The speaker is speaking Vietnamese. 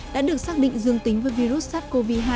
đã được xác định dương tính với virus sars cov hai